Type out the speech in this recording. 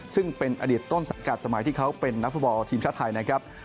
ซึ่งเป็นอดีตต้นสังกัดสมัยที่เขาเป็นนักฟุตบอลทีมชาติไทยนะครับ